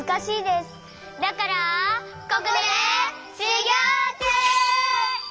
ここでしゅぎょうちゅう！